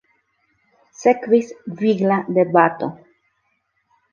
Sekvis vigla debato.